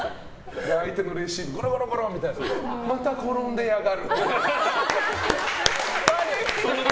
相手のレシーブゴロゴロゴロってなったりするとまた転んでやがるって。